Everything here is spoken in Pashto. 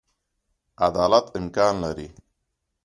عدالت امکان لري.